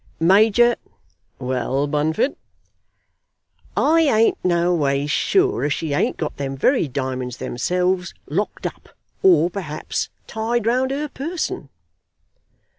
Major, " "Well, Bunfit?" "I ain't noways sure as she ain't got them very diamonds themselves locked up, or, perhaps, tied round her person."